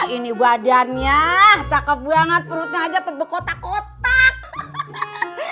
ini badannya cakep banget perutnya aja terbekotak kotak